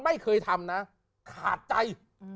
ไม่เคยทำนะขาดใจ